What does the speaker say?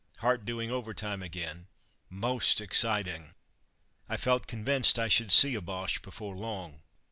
Heart doing overtime again! Most exciting! I felt convinced I should see a Boche before long.